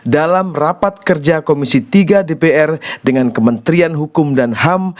dalam rapat kerja komisi tiga dpr dengan kementerian hukum dan ham